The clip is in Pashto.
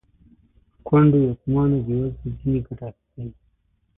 کونډو، یتیمانو او بې وزلو ځنې ګټه اخیستې.